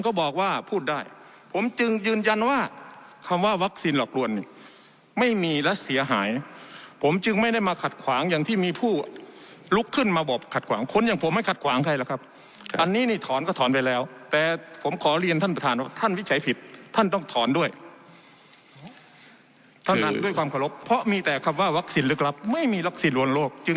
ก็บอกว่าพูดได้ผมจึงยืนยันว่าคำว่าวัคซีนหลอกลวนเนี่ยไม่มีและเสียหายผมจึงไม่ได้มาขัดขวางอย่างที่มีผู้ลุกขึ้นมาบอกขัดขวางคนอย่างผมไม่ขัดขวางใครหรอกครับอันนี้นี่ถอนก็ถอนไปแล้วแต่ผมขอเรียนท่านประธานว่าท่านวิจัยผิดท่านต้องถอนด้วยท่านด้วยความเคารพเพราะมีแต่คำว่าวัคซีนลึกลับไม่มีวัคซีนลวนโลกจึง